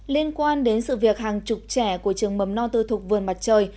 liên quan đến sự việc hàng chục trẻ của trường mầm non tư thục vườn mặt trời